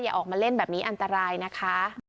ออกมาเล่นแบบนี้อันตรายนะคะ